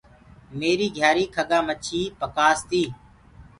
ميري گھيآري کڳآ مڇي پآس تي۔